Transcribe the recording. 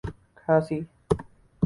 کھاسی